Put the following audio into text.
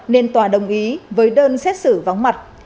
nên tòa đồng ý với đơn xét xử vắng mặt